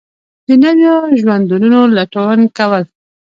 د نویو ژوندونو لټون کول